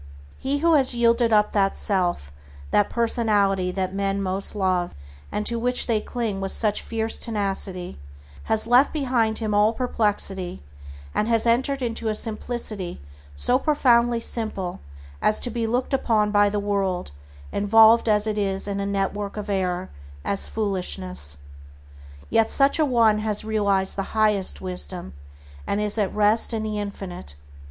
He who has yielded up that self, that personality that men most love, and to which they cling with such fierce tenacity, has left behind him all perplexity, and has entered into a simplicity so profoundly simple as to be looked upon by the world, involved as it is in a network of error, as foolishness. Yet such a one has realized the highest wisdom, and is at rest in the Infinite.